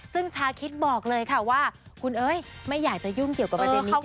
ซึ่งชาคิดบอกเลยค่ะว่าคุณเอ้ยไม่อยากจะยุ่งเกี่ยวกับประเด็นนี้